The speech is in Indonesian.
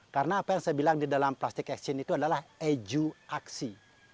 karena apa yang saya bilang di dalam plastik action itu adalah eduaksi